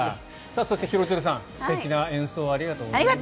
そして廣津留さん、素敵な演奏ありがとうございました。